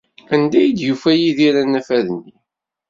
Anda ay d-yufa Yidir anafad-nni?